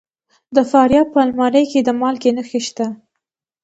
د فاریاب په المار کې د مالګې نښې شته.